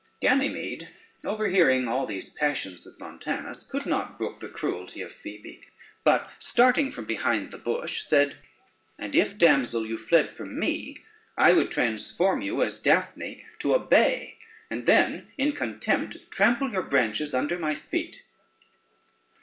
] Ganymede, overhearing all these passions of Montanus, could not brook the cruelty of Phoebe, but starting from behind the bush said: "And if, damsel, you fled from me, I would transform you as Daphne to a bay, and then in contempt trample your branches under my feet."